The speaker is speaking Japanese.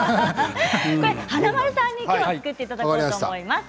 華丸さんに今日は作っていただきます。